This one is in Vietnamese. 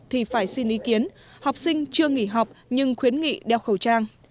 tin ý kiến học sinh chưa nghỉ học nhưng khuyến nghị đeo khẩu trang